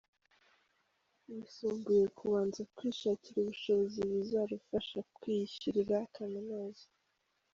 yisumbuye kubanza kwishakira ubushobozi buzarufasha kwiyishyurira kaminuza.